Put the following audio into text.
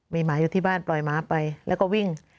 มีหมาอยู่ที่บ้านปล่อยหมาไปแล้วก็วิ่ง